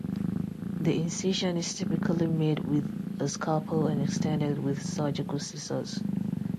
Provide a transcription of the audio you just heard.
The incision is typically made with a scalpel and extended with surgical scissors.